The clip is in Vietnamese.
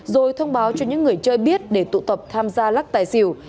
rồi thông báo cho những người chơi biết để tụ tập tham gia lắc tài xỉu